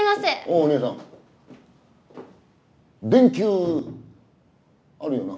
おおねえさん電球あるよな？